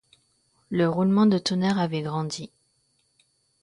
Le roulement de tonnerre avait grandi.